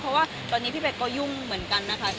เพราะว่าตอนนี้พี่เป๊กก็ยุ่งเหมือนกันนะคะ